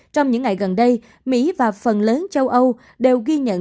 trong những ngày gần đây mỹ và phần lớn châu âu đều ghi nhận